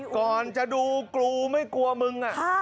ก่อนจะดูกูไม่กลัวมึง